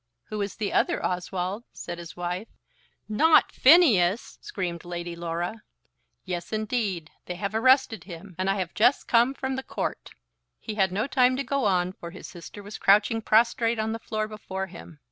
"Who is the other, Oswald?" said his wife. "Not Phineas," screamed Lady Laura. "Yes, indeed; they have arrested him, and I have just come from the court." He had no time to go on, for his sister was crouching prostrate on the floor before him.